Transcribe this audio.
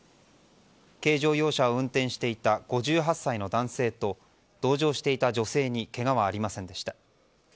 軽乗用車を運転していた５８歳の男性と同乗していた女性にけがはありませんでした。